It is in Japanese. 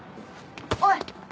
おい！